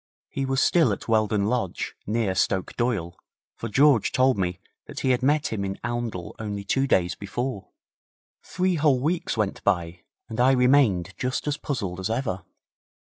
He was still at Weldon Lodge, near Stoke Doyle, for George told me that he had met him in Oundle only two days before. Three whole weeks went by, and I remained just as puzzled as ever.